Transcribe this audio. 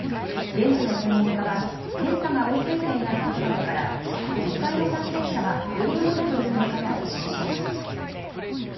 現地の専門家は検査が追いついていないことなどから実際の感染者はより多いという見方を示しています。